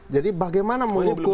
jadi bagaimana mengukur